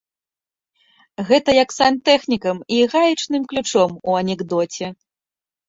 Гэта як з сантэхнікам і гаечным ключом у анекдоце.